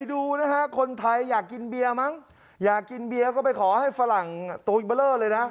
ดูนะฮะคนไทยอยากกินเบียร์มั้งอยากกินเบียร์ก็ไปขอให้ฝรั่งตัวอิเบอร์เลอร์เลยนะ